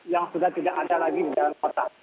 yang sudah tidak ada lagi di dalam kota